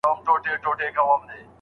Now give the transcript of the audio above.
هغې وويل زما خاوند وفات سو.